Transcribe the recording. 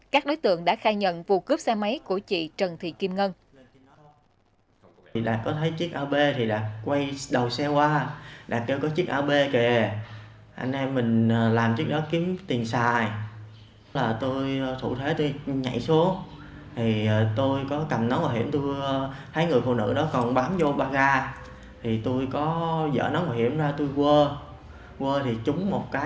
các đối tượng đã khai nhận vụ cướp xe máy của chị trần thị kim ngân